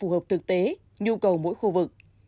đột thực tế nhu cầu mỗi khu vực